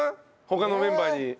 他のメンバーに。